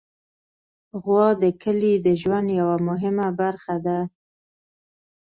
غوا د کلي د ژوند یوه مهمه برخه ده.